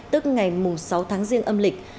tức ngày sáu tháng riêng âm lịch